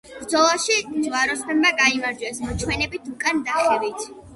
ბრძოლაში ჯვაროსნებმა გაიმარჯვეს „მოჩვენებითი უკან დახევით“.